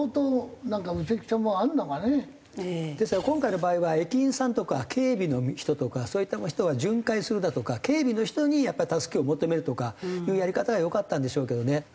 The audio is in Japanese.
ですから今回の場合は駅員さんとか警備の人とかそういった人が巡回するだとか警備の人にやっぱり助けを求めるとかいうやり方がよかったんでしょうけどね。